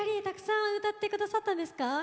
たくさん歌っていただいたんですか。